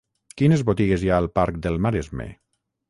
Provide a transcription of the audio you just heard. Quines botigues hi ha al parc del Maresme?